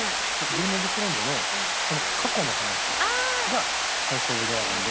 『ゲーム・オブ・スローンズ』の過去の話が『ハウス・オブ・ザ・ドラゴン』で。